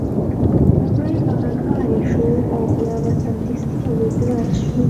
لومړی به غږهارۍ شو او بیا به سمدستي یو لوی درز شو.